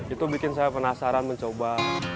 itu bikin saya penasaran mencoba